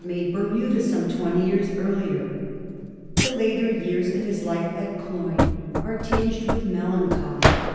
xll made Bermada some twenty years earlier. The later years of his life at Cloyne are tinged with melancholy.